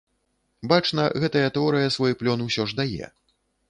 Бачна, гэтая тэорыя свой плён усё ж дае.